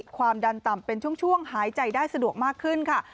ความดันต่ำเป็นช่วงหายใจได้สะดวกมากขึ้นค่ะ